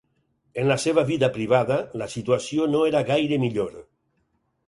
En la seva vida privada, la situació no era gaire millor.